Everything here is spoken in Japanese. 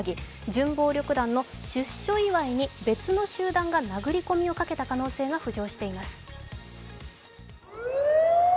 準暴力団の、出所祝いに別の集団が殴り込みをかけた疑いが浮上しています。